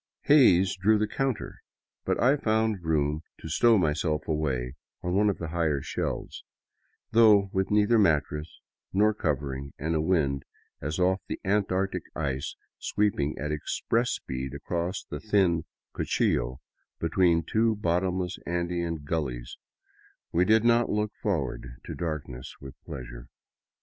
Hays drew the counter, but I found room to stow myself away on one of the higher shelves, though with neither mattress nor covering and a wind as off the antarctic ice sweeping at express speed across the thin cuchillo between two bottomless Andean gullies, we did not look forward to darkness with pleasure.